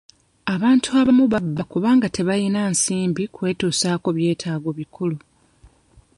Abantu abamu babba kubanga tebayina nsimbi kwetusaako byetaago bikulu.